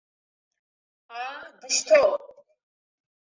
Аа, дышьҭоуп!